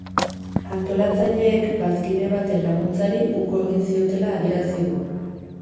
Antolatzaileek bazkide baten laguntzari uko egin ziotela adierai du.